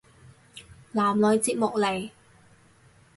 男女節目嚟